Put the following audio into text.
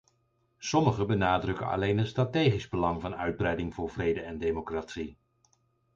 Sommigen benadrukken alleen het strategische belang van uitbreiding voor vrede en democratie.